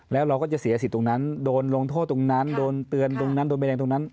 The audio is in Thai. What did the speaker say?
แล้วเราก็จะเสียสิทธิ์ตรงนั้นโดนลงโทษตรงนั้นโดนเตือนตรงนั้นโดนใบแดงตรงนั้น